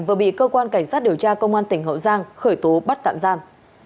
vừa bị cơ quan cảnh sát điều tra công an tp hcm khởi tố bắt tạm giam